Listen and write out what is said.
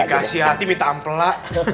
kasih hati minta ampela